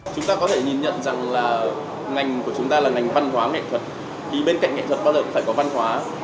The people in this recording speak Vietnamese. chúng ta có thể nhìn nhận rằng là ngành của chúng ta là ngành văn hóa nghệ thuật vì bên cạnh nghệ thuật bao giờ cũng phải có văn hóa